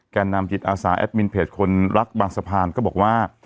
แก่นำจิตอาสาแอดมินเพจคนรักบางสะพานก็บอกว่า